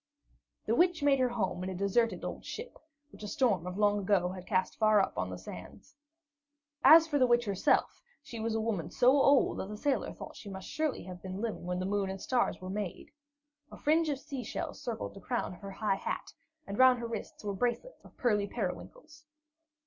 The Witch made her home in a deserted old ship, which a storm of long ago had cast far up the sands. As for the Witch herself, she was a woman so old that the sailor thought she surely must have been living when the moon and the stars were made. A fringe of sea shells circled the crown of her high hat, and round her wrists were bracelets of pearly periwinkles.